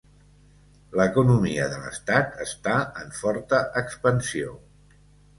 L'economia de l'estat està en forta expansió.